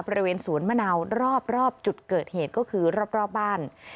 บริเวณสวนมะนาวรอบจุดเกิดเหตุก็คือรอบบ้าน